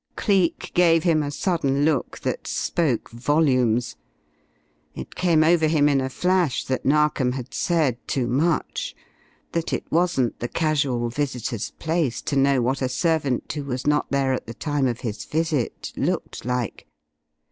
Cleek gave him a sudden look that spoke volumes. It came over him in a flash that Narkom had said too much; that it wasn't the casual visitor's place to know what a servant who was not there at the time of his visit looked like.